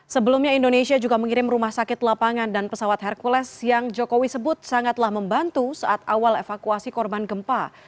sebelumnya indonesia juga mengirim rumah sakit lapangan dan pesawat hercules yang jokowi sebut sangatlah membantu saat awal evakuasi korban gempa